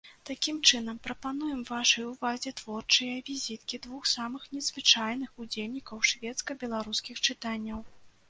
Такім чынам, прапануем вашай увазе творчыя візіткі двух самых незвычайных удзельнікаў шведска-беларускіх чытанняў.